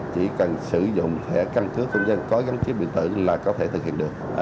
chỉ cần sử dụng thẻ căn cước công dân có gắn chip điện tử là có thể thực hiện được